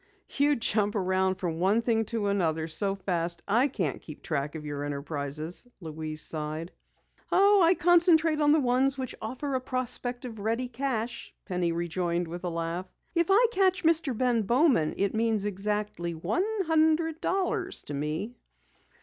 "You jump around from one thing to another so fast I can't keep track of your enterprises," Louise sighed. "I concentrate on the ones which offer a prospect of ready cash," Penny rejoined with a laugh. "If I catch Mr. Ben Bowman it means exactly one hundred dollars to me!"